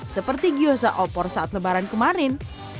seperti kiosa opor saat lebaran kemarin